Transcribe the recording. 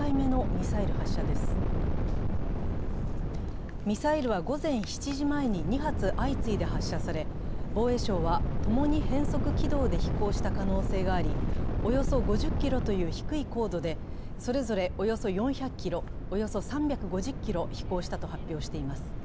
ミサイルは午前７時前に２発相次いで発射され、防衛省は、ともに変則軌道で飛行した可能性がありおよそ５０ｋｍという低い高度でそれぞれおよそ４００ｋｍ、およそ３５０ｋｍ飛行したと発表しています。